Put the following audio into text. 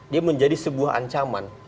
dia menjadi sebuah ancaman